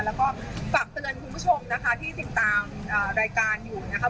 แล้วก็ฝากเตือนคุณผู้ชมนะคะที่ติดตามรายการอยู่นะครับ